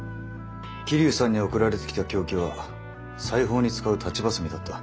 桐生さんに送られてきた凶器は裁縫に使う裁ちバサミだった。